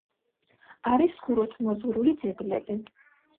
არის ხუროთმოძღვრული ძეგლები.